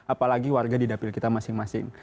apalagi warga di dapil kita masing masing